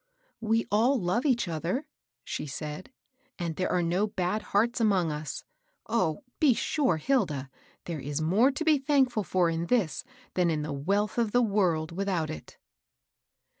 "We all love each other," she said; "and there are no bad hearts among us. Oh I be sure, Hilda, there is more to be thankfiil for in this, than in the wealth of the world without it."